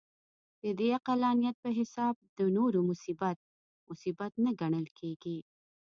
د دې عقلانیت په حساب د نورو مصیبت، مصیبت نه ګڼل کېږي.